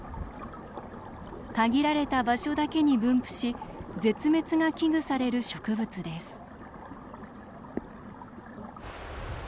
限られた場所だけに分布し絶滅が危惧される植物です。